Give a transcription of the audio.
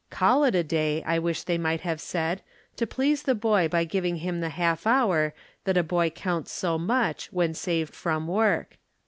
Call it a day, I wish they might have said To please the boy by giving him the half hour That a boy counts so much when saved from work.